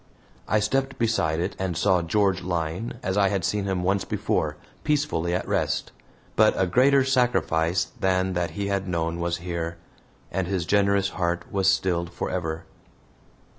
I stepped beside it and saw George lying, as I had seen him once before, peacefully at rest. But a greater sacrifice than that he had known was here, and his generous heart was stilled forever.